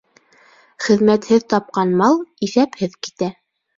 Хеҙмәтһеҙ тапҡан мал иҫәпһеҙ китә.